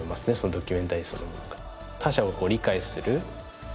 ドキュメンタリーそのものが。